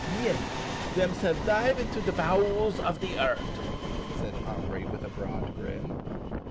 "Bien, them's have dive into de bo' els of de eart'," said Henri with a broad grin.